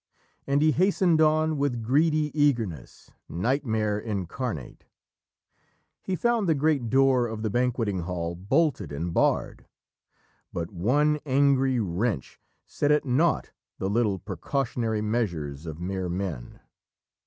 And he hastened on with greedy eagerness, nightmare incarnate. He found the great door of the banqueting hall bolted and barred, but one angry wrench set at naught the little precautionary measures of mere men.